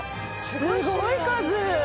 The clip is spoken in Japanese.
すごい数！